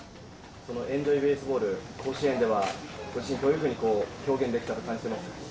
エンジョイベースボール、甲子園ではご自身でどういうふうに表現できたと感じてますか。